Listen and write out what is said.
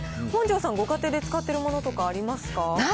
本上さん、ご家庭で使っているものとかありますか？